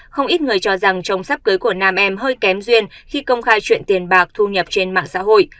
không ít người cho rằng trồng sắp cưới của nam em hơi kém duyên khi công khai chuyện tiền bạc thu nhập trên mạng xã hội